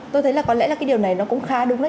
tôi thấy là có lẽ điều này cũng khá đúng lắm